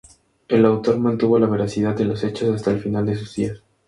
El autor mantuvo la veracidad de los hechos hasta el final de sus días.